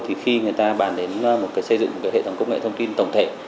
thì khi người ta bàn đến xây dựng một hệ thống công nghệ thông tin tổng thể